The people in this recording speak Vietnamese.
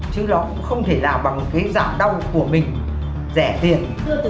chứ nó cũng không thể làm bằng cái giảm đau của mình rẻ tiền